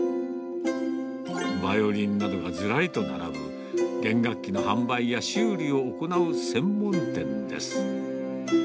バイオリンなどがずらりと並ぶ、弦楽器の販売や修理を行う専門店です。